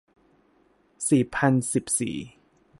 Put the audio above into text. สี่พันสิบสี่